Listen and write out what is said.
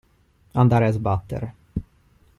Andare a sbattere.